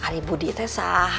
kali budi itu salah